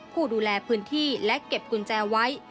ผู้ดูแลพื้นที่และเก็บกุญแจไว้